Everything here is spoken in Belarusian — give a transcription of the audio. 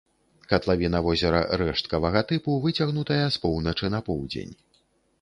Катлавіна возера рэшткавага тыпу, выцягнутая з поўначы на поўдзень.